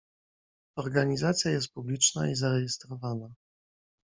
"Organizacja jest publiczna i zarejestrowana."